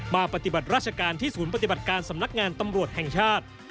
ปฏิบัติราชการที่ศูนย์ปฏิบัติการสำนักงานตำรวจแห่งชาติ